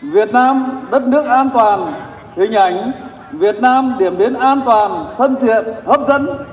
việt nam đất nước an toàn hình ảnh việt nam điểm đến an toàn thân thiện hấp dẫn